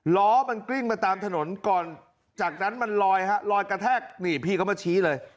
ล้อมันกลิ้งมาตามถนนก่อนจากนั้นมันลอยฮะลอยกระแทกนี่พี่เขามาชี้เลย